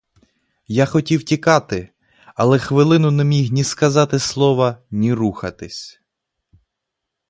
Я хотів тікати, але хвилину не міг ні сказати слова, ні рухатись.